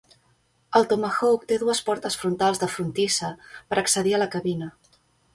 El Tomahawk té dues portes frontals de frontissa per accedir a la cabina.